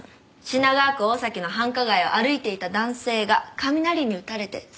品川区大崎の繁華街を歩いていた男性が雷に打たれて即死。